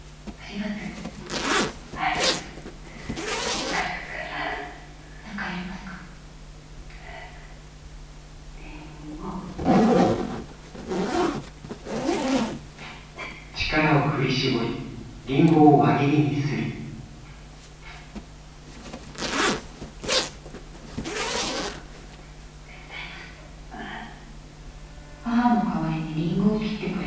母の代わりにりんごを切ってくれた。